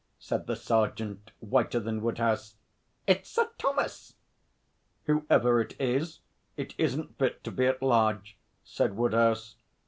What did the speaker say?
said the sergeant, whiter than Woodhouse. 'It's Sir Thomas.' 'Whoever it is, it isn't fit to be at large,' said Woodhouse.